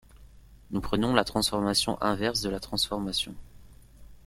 Nous prenons la transformation inverse de la transformation.